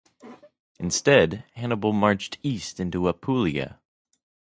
Instead Hannibal marched east into Apulia.